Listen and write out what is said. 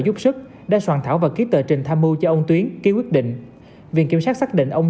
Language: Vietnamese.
giúp sức đã soạn thảo và ký tờ trình tham mưu cho ông tuyến ký quyết định viện kiểm sát xác định ông